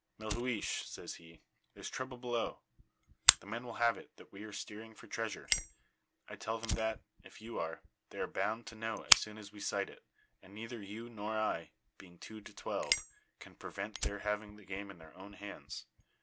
"'Melhuish,' says he, 'there's trouble below. The men will have it that we are steering for treasure. I tell them that, if you are, they are bound to know as soon as we sight it, and neither you nor I being two to twelve can prevent their having the game in their own hands.